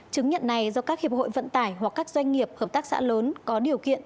chứng nhận này do các hiệp hội vận tải hoặc các doanh nghiệp hợp tác xã lớn có điều kiện